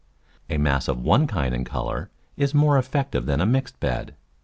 A mass of one kind and colour is more effective than a mixed bed.